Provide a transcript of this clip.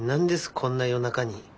こんな夜中に。